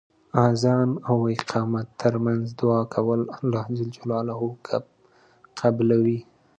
اذان او اقامت تر منځ دعا کول الله ج قبلوی .